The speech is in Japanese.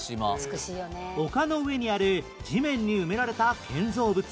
丘の上にある地面に埋められた建造物